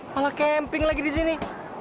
malah camping lagi disini